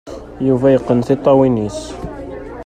Yuba yeqqen tiṭṭawin-is.